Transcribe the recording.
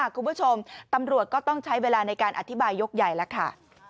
คุณผู้ชมตำรวจก็ต้องใช้เวลาในการอธิบายยกใหญ่แล้วค่ะ